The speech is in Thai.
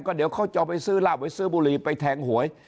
เดี๋ยวเขาจะเอาไปซื้อลาบไปซื้อบุหรี่ไปแทงหวย